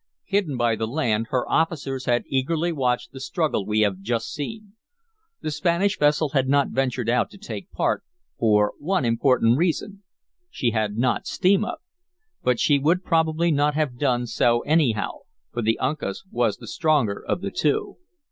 Hidden by the land, her officers had eagerly watched the struggle we have just seen. The Spanish vessel had not ventured out to take part, for one important reason; she had not steam up. But she would probably not have done so anyhow, for the Uncas was the stronger of the two.